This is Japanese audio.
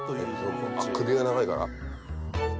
首が長いから？